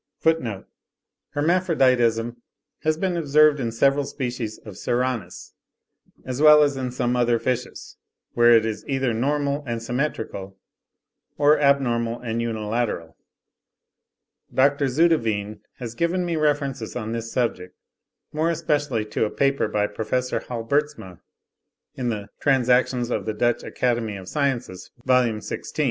(28. Hermaphroditism has been observed in several species of Serranus, as well as in some other fishes, where it is either normal and symmetrical, or abnormal and unilateral. Dr. Zouteveen has given me references on this subject, more especially to a paper by Prof. Halbertsma, in the 'Transact. of the Dutch Acad. of Sciences,' vol. xvi.